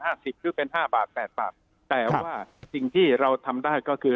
สิบหรือเป็นห้าบาทแปดบาทแต่ว่าสิ่งที่เราทำได้ก็คือ